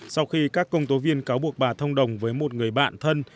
sau khi các công tố viên cáo buộc bà thông đồng với một người bạn thân